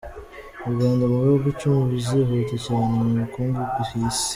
U Rwanda mu bihugu icumi bizihuta cyane mu bukungu ku isi